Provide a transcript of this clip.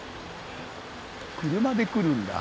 車で来るんだ。